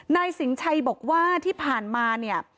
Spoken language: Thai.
นายสิงชัยบอกว่าที่ผ่านมาเนี่ย